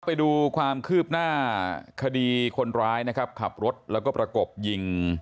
ไปดูความคืบหน้าคดีคนร้ายนะครับขับรถแล้วก็ประกบยิง